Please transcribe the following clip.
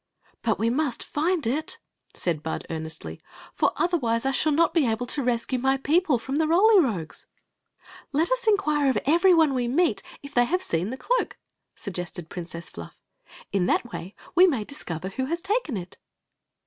*• But we must find it," said Bud, earnesdy ;" for otherwise I shall not be able to rescue my people from the Roly Rogues." " Let us inquire a( evoy oi^ we meet if they have s^ the cloak," suggested Princess Fluff " In thi^ way we may discover who has taken it."